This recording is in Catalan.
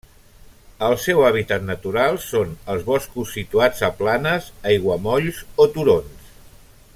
El seu hàbitat natural són els boscos situats a planes, aiguamolls o turons.